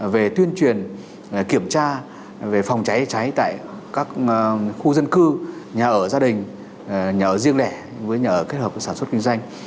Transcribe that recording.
về tuyên truyền kiểm tra về phòng cháy cháy tại các khu dân cư nhà ở gia đình nhà ở riêng lẻ với nhà ở kết hợp với sản xuất kinh doanh